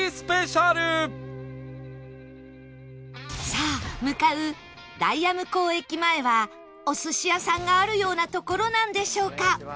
さあ向かう大谷向駅前はお寿司屋さんがあるような所なんでしょうか？